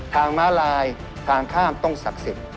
ม้าลายทางข้ามต้องศักดิ์สิทธิ์